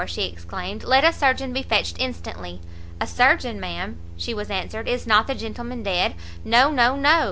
she exclaimed, "let a surgeon be fetched instantly!" "A surgeon, ma'am," she was answered, "is not the gentleman dead?" "No, no, no!"